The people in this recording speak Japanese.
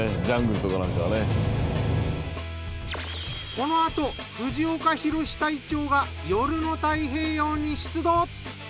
このあと藤岡弘、隊長が夜の太平洋に出動。